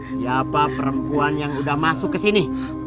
siapa perempuan yang udah masuk kesini